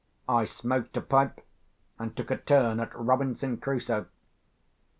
I smoked a pipe and took a turn at Robinson Crusoe.